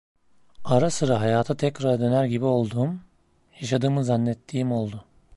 Ara sıra hayata tekrar döner gibi olduğum, yaşadığımı zannettiğim oldu.